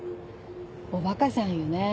お馬鹿さんよね。